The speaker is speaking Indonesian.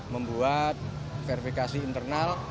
membuat verifikasi internal